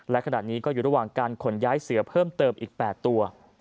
และขณะนี้ก็อยู่ระหว่างการขนย้ายเสือเพิ่มเติมอีก๘ตัว